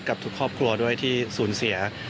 กับทุกครอบครัวด้วยที่สูญเสีย